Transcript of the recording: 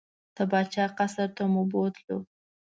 د پاچا قصر ته مو بوتلو.